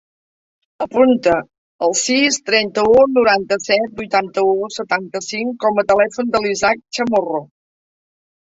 Apunta el sis, trenta-u, noranta-set, vuitanta-u, setanta-cinc com a telèfon de l'Ishak Chamorro.